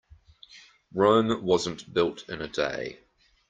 Rome wasn't built in a day.